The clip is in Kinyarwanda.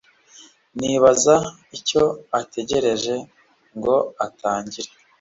nibaza icyo ategereje ngo atangire